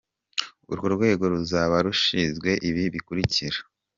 Urwo rwego ruzaba rushinzwe ibi bikurikira: